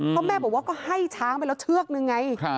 เพราะแม่บอกว่าก็ให้ช้างไปแล้วเชือกนึงไง